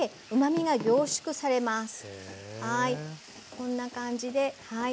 こんな感じで。